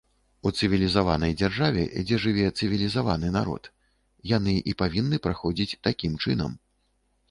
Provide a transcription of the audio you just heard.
У цывілізаванай дзяржаве, дзе жыве цывілізаваны народ, яны і павінны праходзіць такім чынам.